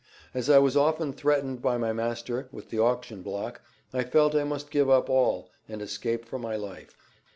As I was often threatened by my master, with the auction block, I felt I must give up all and escape for my life."